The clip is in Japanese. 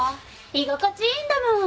居心地いいんだもん